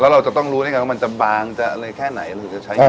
แล้วเราจะต้องรู้ด้วยกันว่ามันจะบางแค่ไหนหรือจะใช้อย่างไรได้